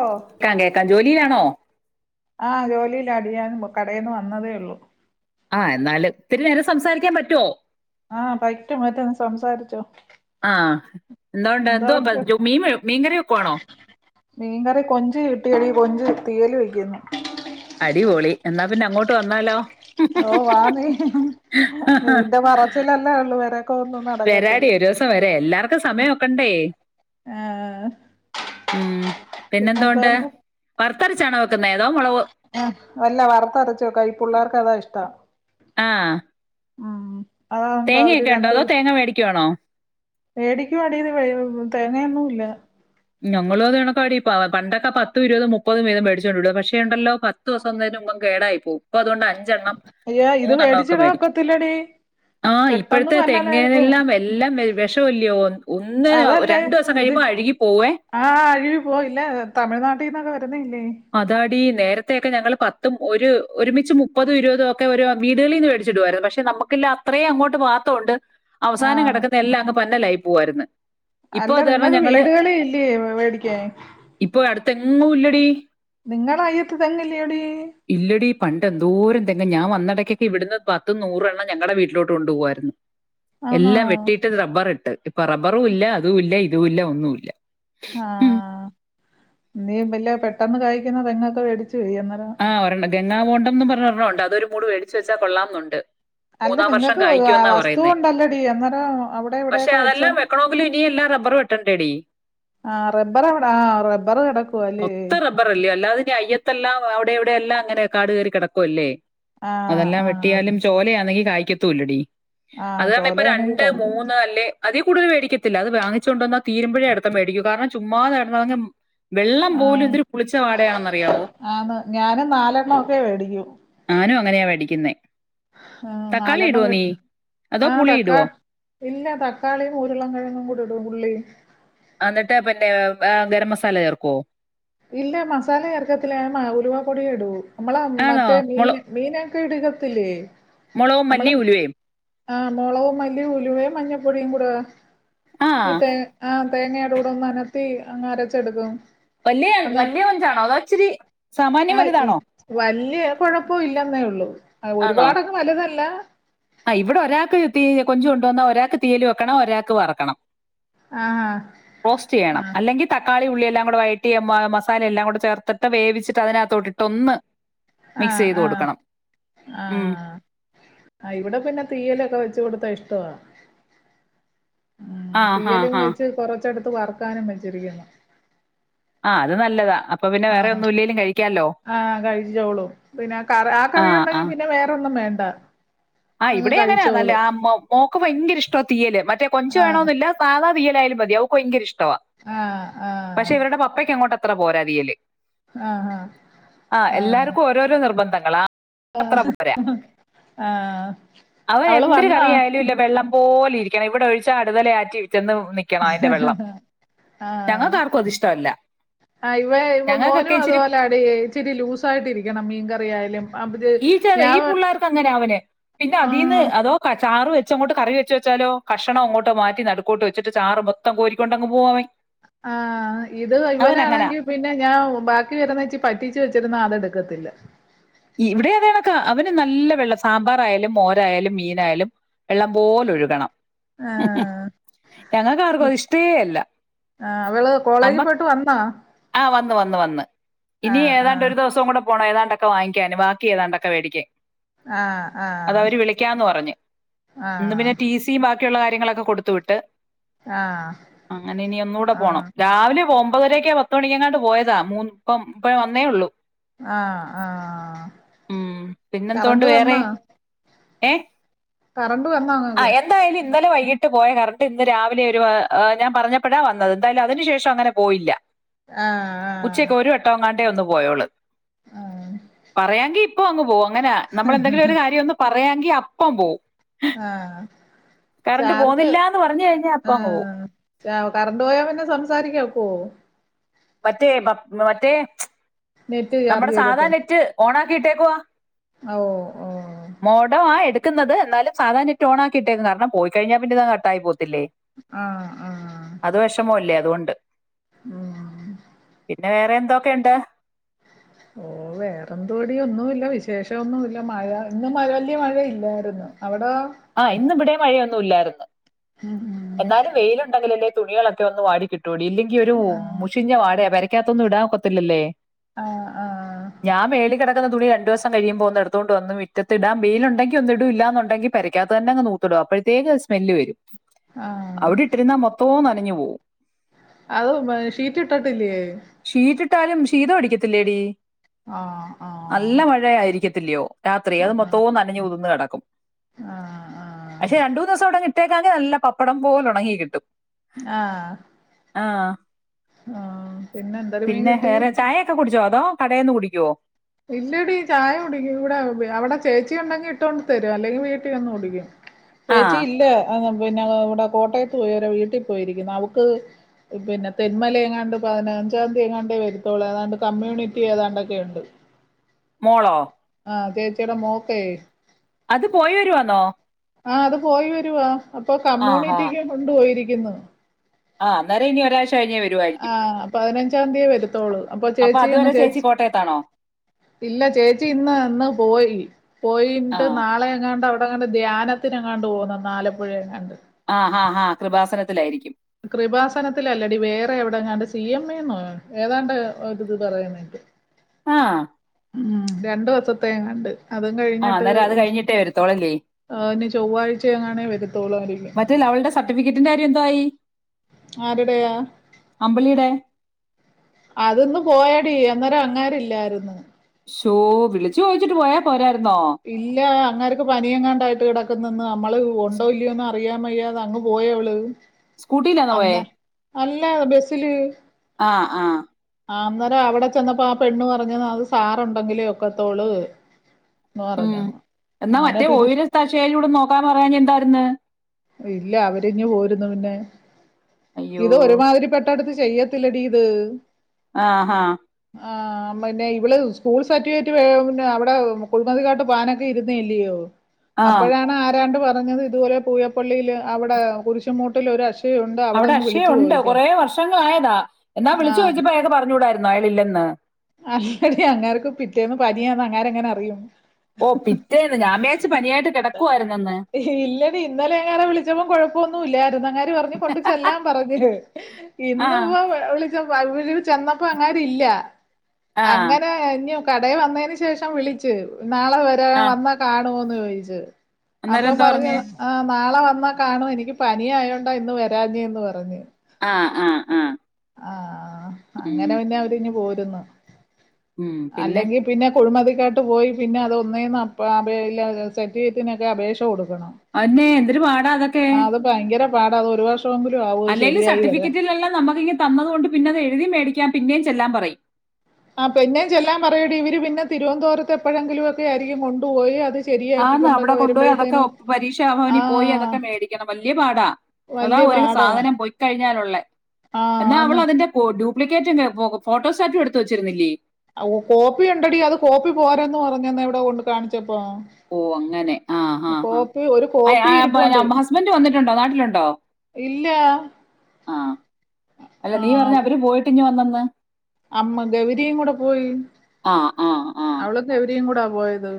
ഓ കേക്കാം കേക്കാം ജോലിയാണോ ആം ജോലില്ല അത് ഞാന് കടെന്ന് വന്നതേ ഉള്ളു ആ എന്നാല് ഇത്തിരി നേരെം സംസാരിക്കാൻ പറ്റുവോ ആഹ പറ്റും പറ്റും സംസാരിച്ചോ എന്തോണ്ട് എന്തോ അപ്പ മീ മീൻ കറി വെക്കു മീൻകറി കൊഞ്ചു കിട്ടിയടി കൊഞ്ച് തീയല് വെക്കുന്നു അടിപൊളി എന്നാ പിന്നങ്ങോട്ട് വന്നാലോ ഓ വാ നീ നീന്റെ പറച്ചിലല്ലേ ഉള്ളൂ വരാ വരാടി ഒരു ദിവസം വരെ എല്ലാർക്കും സമയം ഒക്കണ്ടേ ആഹ ഉം പിന്നെന്തോണ്ട് വറുത്തരച്ചണോ വേ ആ അല്ല വറുത്ത അരച്ചു വെക്കുവ ഈ പുള്ളേർക്ക് അതാ ഇഷ്ടം ആഹ ഉം അതാകുമ്പോ അവര് രണ്ടു അതോ തേങ്ങ മേടിക്കുവാണോ മേടിക്കുവാടി ഇ തേങ്ങയൊന്നും ഇല്ല ഞങ്ങളും അതെ കണക്കാടി പണ്ടൊക്കെ പത്തും ഇരുപതും മുപ്പതും വീതം മേടിച്ചോണ്ടിടും പക്ഷേ ഉണ്ടല്ലോ പത്ത് ദിവസതേനും വൻ കേടായി പോകും ഇപ്പോ അതുകൊണ്ട് അഞ്ചെണ്ണം അയ്യോ ഇത് മൂന്നെണ്ണംഒക്കെ മേടിച്ചിടാൻ മേടിക്കും ഒക്കത്തില്ലടി ആ പെട്ടെന്ന് ഇപ്പോഴത്തെ പന്നലായി പോവും തെങ്ങേലെല്ലാം എല്ലാം വെ വെഷവല്ലയോ ഒന്ന് രണ്ടു ദിവസം കഴിയുമ്പോ അഴുകി പോകും ആ അഴുകി പോകും ഇല്ലേ തമിഴ്നാട്ടിന്നൊക്കെ വരുന്നല്ലേ അതാടി നേരത്തെയൊക്കെ ഞങ്ങള് പത്തും ഒരു ഒരുമിച്ച് മുപ്പതും ഇരുപതുവൊക്കെ ഒരൊ വീടുകളിന്ന് മേടിച്ചിടുവാരുന്നു പക്ഷെ നമുക്കി ഇല്ല. അത്രയും അങ്ങോട്ട് പാത്തുണ്ട് അവസാനം ആഹ് കിടക്കുന്ന എല്ലാം അങ്ങ് പന്നലായി പോവയിരുന്ന് അല്ല നിങ്ങക്ക് വീടുകളീല്ലേ മേടിക്കാൻ തെങ്ങും ഇല്ലടി നിങ്ങള അയ്യത്ത് തെങ്ങില്ലേടി ഇല്ലടി പണ്ട് എന്തോരം തെ അല്ല ഞാൻ വന്നിടെക്ക് ഇവിടുന്ന് പത്ത് നൂറ് എണ്ണം ഞങ്ങട വീട്ടിലോട്ട് കൊണ്ട് പോകുവായിരുന്നു ആന്നോ എല്ലാം വെട്ടിട്ട് റബ്ബർ ഇട്ട് ഇപ്പൊ റബ്ബറും ഇല്ല അതും ഇല്ല ഇതും ഇല്ല ഒന്നുല്ല ആഹ് നീ വല്ല പെട്ടെന്ന് കായ്ക്കുന്ന തെങ്ങൊക്കെ മേടിച്ച [unintelligible] അന്നേരം ഗങ്ങാവോണ്ടംന്ന് പറഞ്ഞ ഒരെണ്ണണ്ട് അതൊരു കൂട് വേടിച്ച് വെച്ചാ കൊള്ളാംന്നുണ്ട് അല്ല മൂന്നാം വർഷം നിങ്ങക്ക് കായിക്കും എന്നാ വസ്തു പറയുന്നേ ഉണ്ടല്ലടി അന്നേരം അവിടെ പക്ഷേ ഇവിടെയൊക്കെ വെച്ച അതെല്ലാം വെക്കണമെങ്കിലും ഇനിയ എല്ലാം റബ്ബർ വെട്ടെ ആഹ് റബ്ബർ എവിടെ ആഹ് റബ്ബർ കിടക്കുവ അല്ലേ മൊത്തം റബ്ബറല്ലേോ അല്ലാതിന്റെ അയ്യത്തെല്ലാം പ്പൊ അവിടെവിടെ എല്ലാം അങ്ങനെ കാട് കയറി കിടക്കുവല്ലേ ആഹ് അതെല്ലാം ആഹ് വെട്ടിയാലും ചോലയാണെങ്കിൽ കായ്ക്കത്തൂല്ലടി ആഹ് അത് നമ്മ ഇപ്പ ചോലയാണെങ്കി രണ്ട് കായ്ക്കും മൂന്ന് അല്ലെ അതേ കൂടുതൽ വേടിക്കത്തില്ല അത് വാങ്ങിച്ചു കൊണ്ടുവന്നാ തീരുമ്പഴേ അടുത്തത് മേടിക്കു കാരണം ചുമ്മാ അങ്ങ് വെള്ളം പോലും ആഹ് എന്തൊരു പുളിച്ച വാടയാണെന്നറിയാവോ ആന്ന് ഞാനും നാലെണ്ണ ഒക്കെ മേടിക്കൂ ഇന്നെ ഉം നാലണ്ണം വേ അതോ ആഹ് പുളി തക്കാ ഇടുവോ ഇല്ല തക്കാളിയും ഉരുള കിഴങ്ങും കൂടി ഇടും ഉള്ളി എന്നിട്ട് പിന്നെ ഏ ഗരം മസാല ചേർക്കോ ഇല്ല മസാല ചേർക്കത്തില്ല ഞാ ഉലുവ പൊടി ഇടൂ നമ്മള ആണോ മറ്റേ മീൻ മീന് കിടുകത്തില്ലേ? മുളവും മല്ലി ഉലുവയും ആ മുളകും മല്ലി ഉലുവയും മഞ്ഞപ്പൊടിയും കൂടെ ആഹ് തേങ്ങയുടെ കൂടെന്ന് നനത്തി അങ്ങ അരച്ചെടുക്കും വലിയ വലിയ കൊഞ്ചാണോ അതോ ഇച്ചിരി സാമാന്യം ആഹ വലുതാണോ വലിയ കൊഴപ്പോ ഇല്ലെന്നേ ഉള്ളു ആണോ ഒരുപാടങ്ങു വലുതല്ല. ആ ഇവിടെ ഒരാൾക്ക് തീ കൊഞ്ച് കൊണ്ട വന്നാ ഒരാൾക്ക് തീയൽ വെക്കണം ഒരാൾക്ക് വറക്കണം ആഹ് റോസ്റ്റ് ചെയണം അല്ലെങ്കിൽ ത - തക്കാളി ഉള്ളിയെല്ലാം കൂടെ വയറ്റി മസാല എല്ലാം കൂടെ ചേർത്തിട്ട് വേവിച്ചട്ട് തിനകത്തോട്ടിട്ട് ഒന്ന് ആ മിക്സ് ചെയ്ത് കൊടുക്കണം ആ ഉം ആ ഇവിടെ പിന്നെ തീയലൊക്കെ വെച്ച് കൊടുത്താ ഇഷ്ടവാ ആ ഹാ തീയലും ഹാ വെച്ച് കൊറച്ചത്ത് വറക്കാനും ചെറിയതാ ആ അത് നല്ലതാ അപ്പൊ പിന്നെ വേറെ ഒന്നും ഇല്ലെലും കഴിക്ക ആ കഴിച്ചോളും പിന്നെ ക ആ കറിയുണ്ടെങ്കി പിന്നെ വേറെന്നും വേണ്ട ആ അങ്ങ് ഇവിടെ അങ്ങനെയാ കഴിച്ചോളും ആ മോക്ക് ഭയങ്കര ഇഷ്ട തീയല് മറ്റേ കൊഞ്ച് ആഹ് വേണമന്നില്ല സാധാ- തീയലായാലും മതി അവക്ക് ഭയങ്കര ഇഷ്ടവ ആഹ് ആഹ് പക്ഷെ ഇവരുടെ പപ്പയ്ക്ക് അങ്ങോട്ട് അത്ര പോരാ തിയല് ആഹ് ആ എല്ലാവർക്കും ഓരോരോ നിർബന്ധങ്ങള ആ ആ അവൻ എന്തര കറിയായാലും ഇല്ല വെള്ളം പോലെ ഇരിക്കണം ഇവിടെ ഒഴിച്ച അടുതലെ ആറ്റി വിട്ട ആ ആ ഞങ്ങൾക്ക് ആർക്കും അത് ഇഷ്ടമല്ല ആ ഇവ ഞങ്ങൾക്കൊക്കെ മോനും ഇച്ചിരി അതുപോലെ ആടി ഇച്ചിരി ലൂസായിട്ടിരിക്കണം മീൻ കറി ആയാലും അത് ഈ ചെറ ഞാൻ ഈ പിള്ളേർക്ക് അങ്ങനെ അവൻ പിന്നെ അതീന്ന് ആഹ് അതോ ക ചാറ് വെച് അച്ചങ്ങോട്ട് കറി വെച്ച വെച്ചാലോ കഷ്ണംങ്ങോട്ടോ മാറ്റി വച്ചിട്ട് ചാർ മൊത്തം കോരിക്കൊണ്ടങ്ങു പോകുവൻ ആ ഇത് ഇവനാണെങ്കി പിന്നെ ഞാൻ ബാക്കി വരുന്നച്ചി പറ്റീച്ച് വെച്ചിരുന്ന അതെടു ക്കത്തില്ല ഇവിടെ അതണക്ക അവന് നല്ല വെള്ളം സാമ്പാറയാലും മോരായാലും മീനായാലും വെള്ളം പോലെ ഒഴുകണം ആ ഞങ്ങൾക്കാർക്കും അത് ഇഷ്ടേ അല്ല ആ അവള് കോളേജിൽ അമ്മ പോയിട്ട് വന്നാ ആ വന്ന് വന്ന് വന്ന് ആ ഇനി ആ ഏതാണ്ട് ഒരു ദിവസം കൂടെ പോണം ഏതാണ്ടൊക്ക വാങ്ങാാന് ബാക്കി ഏതാണ്ടൊക്കെേടിക്കൻ ആ ആ അത അവര് വിളിക്കാന്ന് പറഞ്ഞഞ് ആ ഇന്ന് പിന്നെ ടി സിയ ബാക്കി കാര്യങ്ങളൊക്കെ കൊടുത്ത വിട്ട് ആ അങ്ങനെ ഇനി ഒന്ന കൂടെ പോണം ആ രാവിലെ പോകുമ്പോ മുപ്പമ്പതരക്കെ പത്ത മണി എങ്ങാട്ട് പോയതാ മൂ ഇപ്പം ഇ വന്നേ ഉള്ളൂ ആ ആ ഉം പിന്നെന്തോണ്ട് കറണ്ട് വേറെ വന്നോ ഏ ആ അങ്ങക്ക് എന്തായാലും ഇന്നലെ വൈ കിട്ട് പോയ കറണ്ട് ഇന്ന് രാവിലെ ഒരു ഞാൻ പറഞ്ഞപ്പെടാൻ വന്നത് എന്തായാലും അതിനു ശേഷം അങ്ങനെ പോയില്ല ആ ആ ഉച്ചക്ക് ഒരു വട്ടംങ്ങാണ്ടേ ഒന്ന് പോയോുള്ളു ആ പറയാങ്കി അപ്പ അങ്ങ് പോകും അങ്ങനെ നമ്മളെന്തെങ്കിലും ഒരു കാര്യം ഒന്ന് പറയാെങ്കി അപ്പം പോവും ആ കറണ്ട് ചാർജ് പോന്നില്ലന്ന് പറഞ്ഞു കഴിഞ്ഞാ അപ്പ ആ അങ്ങ് പോവും കറണ്ട് പോയാ പിന്നെ സംസാരിക്കക്കോ മറ്റേ മറ്റേ നെറ്റ് ചാർജ് നമ്മുടെ സാധാ ചെയ്തിട്ട് നെറ്റ് ഓണ ആക്കിയിട്ടേക്കവാ ഓ ഓ ക്ക്ന്നത് എന്നാലും സാധാരയട്ട ഓ ആട്ടേക്ക കാര പോയി കഴിഞ്ഞാ പിന്നി കട്ടായി പോവും ആ ആ അത് വിഷമോ അല്ലേ അതുകൊണ്ട് ഉം പിന്നെ വേറെ എന്തൊക്കെുണ്ട് ഓ വേറെന്തോടിയ ഒന്നുമല്ല വിശേഷംന്നുമ ഇല്ല മഴ ഇന്ന് മ വലിയ മഴ ഇല്ലായിരുന്നു ആ ഇന്ന ഇവിടെ മഴയൊന്നും ഇല്ലായിന്ന് ഉം ഉം എന്നാലും വെയില ഉണ്ടെങ്കിലല്ലേ തുണികളൊക്കെ വന്ന് വാട കിട്ടൂടി ഇല്ലെങ്കിൽ ഒരു മുഷിഞ്ഞ വാട വരയ്ക്കാത്തൊന്നും ഇടാൻ കൊത്തില്ലല്ലേ ആ ആ ഞാൻ മേല കിടക്കുന്ന തുണിയ രണ്ട് ദിവസം കഴിയുമ്പൊ ഒന്ന് എടുത്തോണ്ട് വന്ന് മിറ്റത്തിടാൻ വെയിലുണ്ടങ്കി ഒന്നിടു ഇല്ലാന്നുണ്ടെങ്കി പരക്കാത്ത തന്നെ അങ് നൂത്ത്ടും അപ്പഴത്തേക്ക് അത് സ്മെല് വരും ആഹ് ത്തോ നനഞ്ഞു പോവും അത് ഷീറ്റ് ഇട്ടിട്ടില്ലയേ ഷീറ്റ് ഇട്ടാലും ശീതം അടിക്കത്തില്ലേടി ആഹ് ആഹ് ഇല്ലിയോ രാത്രി അത് ആഹ് മൊത്തോം നനഞ്ഞ് കുതിർന്ന് കടക്കും ആഹ് ആഹ് പക്ഷെ രണ്ട് മൂന്ന് ദിവസം അവടങ്ങി ഇട്ടേക്കാങ്കി നല്ല പപ്പടം പോല ഉണങ്ങി കിട്ടും ആഹ് ആഹ് ആഹ് പിന്നെ എന്തൊരു മീൻ പിന്നെ കിട്ടി വേറെ ചായ ഒക്കെ കുടിച്ചോ അതോ കടേന്ന് കുടിക്കുവോ ഇല്ലടി ചായ കുടിക്കും ഇവിടെ അവിടെ ചേച്ചി ഉണ്ടെങ്കി ഇട്ടോണ്ട് തരും അല്ലെങ്കി വീട്ടി വന്ന് കുടിക്കും ആ ചേച്ചി ഇല്ല പിന്നെ ഇവിടെ കോട്ടയത്ത് പോയി അവരെ വീട്ടീ പോയിരിക്കുന്നു അവക്ക് പിന്നെ തെന്മല എങ്ങാണ്ട് പതിനഞ്ചാം തീയതി എങ്ങാണ്ടേ വരുത്തോളൂ ഏാണ്ട് കമ്മ്യൂണിറ്റി ഏതാണ്ട്ക്കെയ ഉണ്ട് മോളോ ആഹ് ചേച്ചിയടെ മോക്കേ അത് പോയി വരുവാന്നോ ആ അത് പോയി വരുവാ അപ്പൊ ആ കമ്മ്യൂണിറ്റിക്ക് കൊണ്ട് പോയിരിക്കുന്നു ആഹ് അന്നേരം ഇനി ഒരാഴ് ആഹ് പതിനഞ്ചാം തീയേ വരുത്തോളൂ അപ്പൊ ചേച്ചി അങ്ങ് ചേച്ചി ഇല്ല ചേച്ചി ഇന്ന് അന്ന് പോയി ആ പോയിട്ട് നാളെ എങ്ങാണ്ട് അവ ടങ്ങാണ്ട് ധ്യാനത്തിനങ്ങാണ്ട് പോവുന്ന ന്ന് ആലപ്പുഴ എങ്ങാണ്ട് ആ ഹാ ഹാ കൃപാസനത്തിലായിരിക്കും കൃപാസനത്തിലല്ലടി വേറെ എവിടെങ്ങാണ്ട് സ് സി എം എന്നോ ഏതാണ്ട് ഒരു ഇത് പറയുന്നേട്ടു ആഹ് ഉം രണ്ട് ദിവസത്തേങ്ങണ്ട് അതും ആ കഴിഞ്ഞിട്ട് അന്നേരം അത് കഴിഞ്ഞിട്ടേ വരത്തോളല്ലേ അ ഇനി ചൊവ്വാഴ്ച എങ്ങാണേ വരത്തോളു അറിയില്ല മറ്റേ അവളുടെ സർട്ടിഫിക്കറ്റിന്റെ കാര്യം എന്തായി ആരടയാ അമ്പിളിയുടെ അത് ന്ന് പോയ ടീ അന്നേരം അങ്ങേര്ല്ലാരുന്നു ചോ ഇല്ല അങ്ങേർക്ക് പനിയെങ്ങാണ്ടായിട്ട് കെടക്ക്ന്ന് ഇന്ന് നമ്മള് ഉണ്ടോ ഇല്ലയോന്ന് അറിയാൻ വയ്യാത അങ് പോയ അവള് സ്കൂട്ടിയിലാണോ പോയേ അന്താ അല്ല ബസില് ആ ആ ആ അന്നേരം അവിടെ ചെന്നപ്പോ ആ പെണ്ണ് പറഞ്ഞത് അത് സാറുണ്ടെങ്കിലേ ഒക്കെത്തോള് ഉം എന്നാ മറ്റേ ഓവര തശയിലൂടെ ഒന്ന് നോക്കാൻ പറയാഞ്ഞ് എന്താര്ന്ന് ഇല്ല അവരിഞ്ഞു പോരുന്നു പിന്നെ അയ്യോ ഇത് ഒരുമാതിരി പെട്ടടുത്ത് ചെയ്യത്തില്ലടീ ഇത് ആ ഹാ ആ പിന്നെ ഇവിള് സ്കൂൾ സർട്ടിഫിക്കറ്റ് വെ അവിടെ കുഴമതിക്കാട്ട് പാനൊക്കെ ഇരുന്നേ ഇല്ലയോ ആ അപ്പോഴാണ് ആരാണ്ട് പറഞ്ഞത് ഇതുപോലെ പൂയപ്പള്ളിയില് അവിടെ കുരിശമൂട്ടിൽ ഒരു അഷ് അവിടെ അക്ഷയ ഉണ്ട് കുറേ വർഷങ്ങളായതാ എന്നാ ആ വിളിച്ചു ചോയ്ച്ചപ്പോ അയാക് പറഞ്ഞൂടായിര് ന്നായില് ല്ലെന്ന് അല്ലടി അങ്ങേര്ക് പിറ്റേന്ന് പനിയാന്ന് അങ്ങേരെങ്ങനെ അറിയും ഓ പിറ്റേന്ന് ഞാവിചാര്ച്ചു പനിയായിട്ട് കിടക്കുവായിരുന്നന്ന് ഇല്ലടി ഇന്നലെ അയാളെ വിളിച്ചപ്പോം കൊഴപ്പൊന്നും ഇല്ലായിരുന്നു അങ്ങാര് പറഞ് കൊണ്ട് ചെല്ലാം പറഞ് ആ ഇന്ന്പ്പ വിളിച്ചപ്പൊ [unintelligible] ചെന്നപ്പോ അങ്ങേരില്ല ആ അങ്ങനെ ഞ് കടയിൽ വന്നതിന് ശേഷം വിളിച് നാളെ വരാ ആ വന്നാ കാണുവോന്ന് ചോദിച്ച് അപ്പൊ അന്നേരം എന്താ പറഞ്ഞേ പറഞ്ഞ്ന്ന് ആ നാളെ വന്നാ കാണും എനിക്ക് പനി ആയോണ്ടാ ഇന്ന് വരാഞ്ഞേന്ന് പറഞ്ഞ് ആ ആ ആ ആ ആ അങ്ങനെ ഉം പിന്നെ അവരിഞ് പോര്ന്ന് അല്ലെങ്കിൽ പിന്നെ കുഴ്മതി ക്കാട്ട് പോയി പിന്നെ അത് ഒന്നേന്ന് അപ്പൊ അബേ ല സർട്ടിഫിക്കറ്റിനൊക്കെ അപേക്ഷ കൊടു കണം അന്നെ എന്തൊരു പാടാ അതൊക്കെ അത് ഭയങ്കര പാട അത് ഒരു വർഷം അല്ലേല് സർട്ടിഫിക്കറ്റിലെല്ലാം നമുക്കിങ് തന്നതു കൊണ്ട് പിന്നത് എഴുതി മേടിക്കാൻ പിന്നേം ചെല്ലാൻ പറയും ആ പിന്നേം ചെല്ലാൻ പറയടി ഇവര് പിന്നെ തിരുവനന്തപുരത്ത് എപ്പോഴെങ്കിലും ഒക്കെ ആയിരിക്കും കൊണ്ടുപോയി അത് ആന്നാ അവിടെ ശരിയാക്കിക്കൊണ്ടൊക്കെ കൊണ്ടുപോയി അതൊക്കെ വരുമ്പഴത്തേനും പരീക്ഷാ ആ ഭവനി പോയി അതൊക്കെ മേടിക്കണം വല്ല്യ പാടാ അതാ വല്യ ഒര് പാടാ സാധനം പൊയിക്കഴിഞ്ഞാലുള്ളെ ആ എന്നാ അവള് ആന്ന് അതിന്റെ കൊ ടു പ്ലിക്കറ്റ്ന് പൊ ഫോട്ടോസാട്ടും എടുത്ത് വച്ചിരുന്നില്ലേ കോപ്പി ഉണ്ടടി അത് കോപ്പി പോരന്ന് പറഞ്ഞന്നാ എവിടെ കൊണ്ട് കാണിച്ചപ്പോ ഓ അങ്ങനെ ആ ആ ആ കോപ്പി ഒരു കോപ്പി [unintelligible] ഹസ്ബന്റ് വന്നിട്ടുണ്ടോ നാട്ടിലുണ്ടോ ഇല്ലാ ആ അല്ല നീ പറഞ്ഞവര് പോയിട്ട്ങ് വന്ന അമ്മ ഗൗരിയും കൂടെ പോയി ആ ആ ആ അവള് ഗൗരിയും കൂടെ പോയത്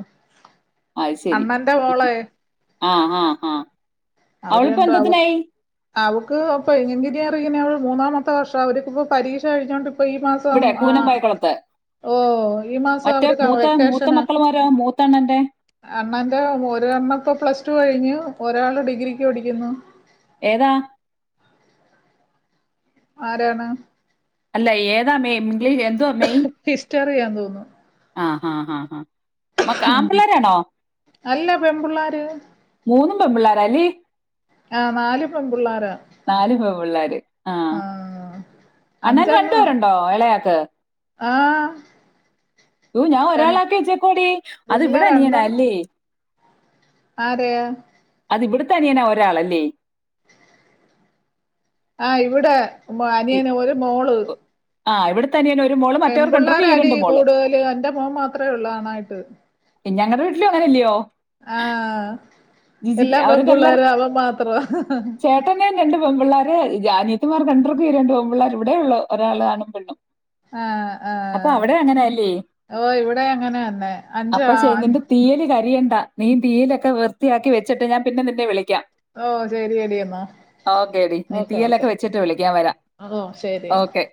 അത് ശരി അണ്ണന്റെ ഉം. മോളെ ആ ആ ആ അവര് രണ്ടും അവ അവള്പ്പന്തതിനായി അവക്ക് ഇപ്പൊ എങ്കിരിയാറിങ്ങനെ മൂന്നാമത്തെ വർഷ അവർക്ക ഇപ്പൊ പരീക്ഷ കഴിച്ചഞ്ഞുകോണ്ട് ഇവിടെ പൂനംമ്പായക്കുളത്ത് ഓ ഈ മാസം മറ്റേ അവര് മൂത്ത മൂത്ത വെക്കേഷന് മക്കളമാരോ മൂത്തണ്ണന്റെ അണ്ണന്റെ ഒരണ്ണപ്പോ പ്ലസ് ടു കഴിഞ്ഞു ഒരാള് ഡിഗ്രിക്ക് പടിക്കുന്നു ഏതാ ആരാണ് അല്ല ഏതാ മെയി ഇംഗലീ എന്തോ മെയി റിയാ തോന്നു ആ ആ ആ ആ മക്ക ആമ്പിള്ളേരാണോ അല്ല പെൺപിള്ളാര് മൂന്നും പെമ്പിള്ളാരല്ലേ ആ നാല് പെൺപിള്ളാരാ നാല് പെൺപിള്ളാര് ആ അണ്ണന് രണ്ടു അഞ്ചെണ്ണോ പേരുണ്ടോ ഇള ആ ഒ ഞാൻ ര ഒരാള ആക്കി വച്ചേക്കാടി അത് ഇല്ല ഇവിടെ യനിയൻ നാ രണ്ടെണ്ണം ല്ലേ ആരെയാ അത് ഇവിടുത്തനിയനാ ഒരാളല്ലേ ആ ഇവിടെ ഇ- അനിയനെ ഒരു മോള് ആ ഇവിട പെൺപ്പിള്ളേരാടി കൂടുതല് എന്റെ മോൻ മാത്രേ ഉള്ള് ആണായിട്ട് ഞങ്ങളടെ വീട്ടിലും അങ്ങനെയല്ലിയോ ആഹ് ജിജി എല്ലാ അവർക്കെല്ലാം പെൺപിള്ളേരും അവൻ മാത്രം ചേട്ടന് രണ്ട് പെൺപിള്ളോര് അനിയത്ത്മാർക്ക് രണ്ട്ർക്ക്കും ഈ രണ്ടു പെൺപിള്ളേര് ഇവിടെയുള്ളൂ ഒരാള് ആണും പെണ്ണും ആഹ് അപ്പൊ ആഹ് അവിടെ അങ്ങനെയല്ലേ ഓ ഇവിടെ അങ്ങനെ തന്നെ അഞ്ച് അപ്പ ശരി എന്റെ തീയല് കരിയണ് മീൻ തീയലൊക്കെ വൃത്തിയാക്കി വെച്ചട്ട് ഞാൻ പിന്നെ നിന്നെ വിളി ഓ ശരിയടി എന്നാ ഓക്കേ ടി നീ ഓക്കെ തീയലൊക്കെ ഓക്കെ വെച്ചിട്ട് വിളിക്കു ഞാൻ വരാം ഓ ശരി എന്നാ ഓക്കേ